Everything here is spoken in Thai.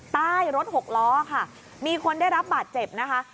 ใต้รถหกล้อค่ะมีคนได้รับบาดเจ็บนะคะ